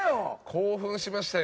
興奮しましたよ。